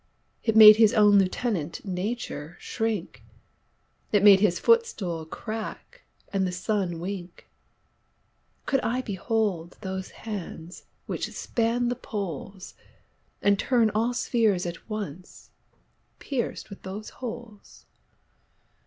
It made his owne Lieutenant Nature shrinke, It made his footstoole crack, and the Sunne winke. Could I behold those hands which span the Poles, And turne all spheares at once, peirc'd with those holes?